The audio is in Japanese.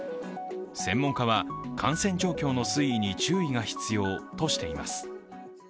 専門家は感染状況の推移に注意が必要としています。